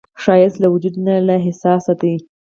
ښایست له وجوده نه، له احساسه دی